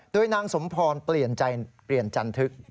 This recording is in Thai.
โดยนางสมพรณ์เปลี่ยนใจเปลี่ยนจันทึก